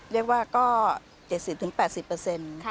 เรียกว่าก็๗๐๘๐เปอร์เซ็นต์